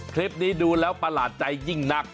คลิปนี้ดูแล้วประหลาดใจยิ่งนัก